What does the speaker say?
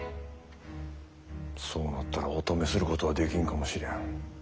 そうなったらお止めすることはできんかもしれん。